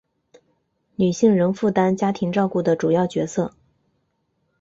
女性仍负担家庭照顾的主要角色